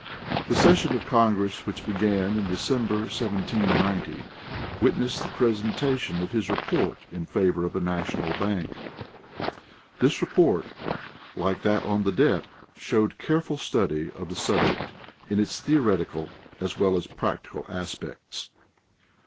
The session of Congress which began in December, 1790, witnessed the presentation of his report in favor of a national bank. This report, like that on the debt, showed careful study of the subject in its theoretical as well as practical aspects.